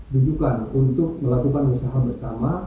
tujukan untuk melakukan usaha bersama